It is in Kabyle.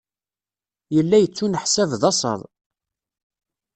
Yella yettuneḥsab d asaḍ.